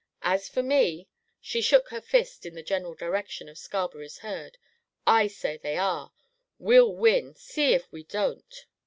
As for me," she shook her fist in the general direction of Scarberry's herd, "I'll say they are. We'll win! See if we don't!"